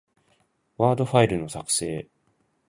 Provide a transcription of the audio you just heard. ワードファイルの、作成